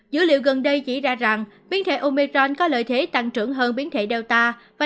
dữ liệu gần đây chỉ ra rằng biến thể omicron có lợi thế tăng trưởng hơn biến thể delta